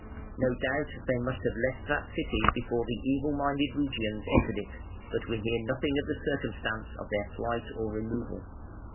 No doubt they must have left that city before the evil minded Rugians entered it (492), but we hear nothing of the circumstances of their flight or removal.